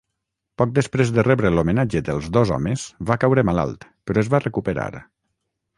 Poc després de rebre l'homenatge dels dos homes va caure malalt però es va recuperar.